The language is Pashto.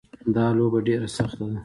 دا لوبه ډېره سخته ده